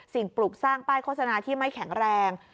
ปลูกสร้างป้ายโฆษณาที่ไม่แข็งแรง